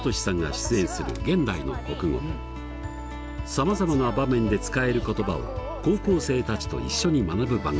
さまざまな場面で使える言葉を高校生たちと一緒に学ぶ番組。